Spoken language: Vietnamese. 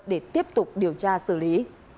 để tiếp tục điều tra xử lý